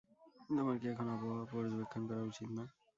তোমার কি এখন আবহাওয়া পর্যবেক্ষণ করা উচিৎ না?